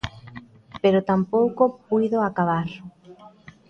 Pero tampouco puido acabar.